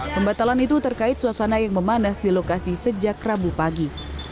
pembatalan itu terkait suasana yang memanas di lokasi sejak rabu pagi